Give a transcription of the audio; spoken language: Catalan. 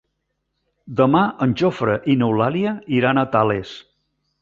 Demà en Jofre i n'Eulàlia iran a Tales.